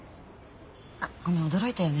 あっごめん驚いたよね。